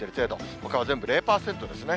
ほかは全部０％ですね。